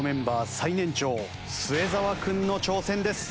最年長末澤君の挑戦です。